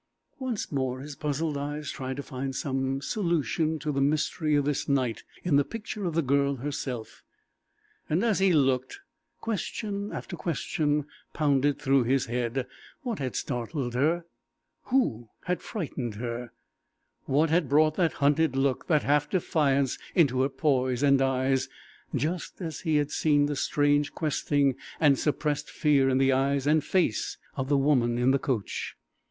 Once more his puzzled eyes tried to find some solution to the mystery of this night in the picture of the girl herself, and as he looked, question after question pounded through his head. What had startled her? Who had frightened her? What had brought that hunted look that half defiance into her poise and eyes, just as he had seen the strange questing and suppressed fear in the eyes and face of the woman in the coach?